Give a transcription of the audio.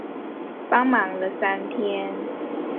幫忙了三天